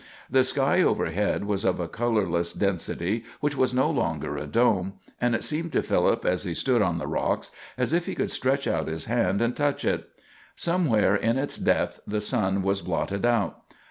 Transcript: The sky overhead was of a colorless density which was no longer a dome; and it seemed to Philip, as he stood on the rocks, as if he could stretch out his hand and touch it. Somewhere in its depth the sun was blotted out.